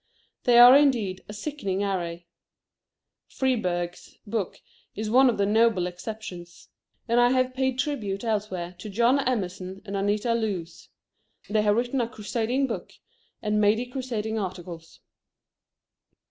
They are, indeed, a sickening array. Freeburg's book is one of the noble exceptions. And I have paid tribute elsewhere to John Emerson and Anita Loos. They have written a crusading book, and many crusading articles.